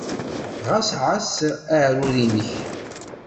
Ɣas ɛass aɛrur-nnek.